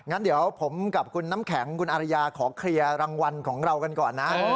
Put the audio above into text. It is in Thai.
งั้นเดี๋ยวผมกับคุณน้ำแข็งคุณอาริยาขอเคลียร์รางวัลของเรากันก่อนนะ